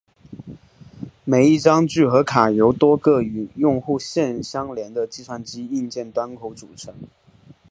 每一张聚合卡由多个与用户线相连的计算机硬件端口组成。